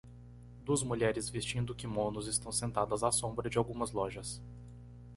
Duas mulheres vestindo quimonos estão sentadas à sombra de algumas lojas.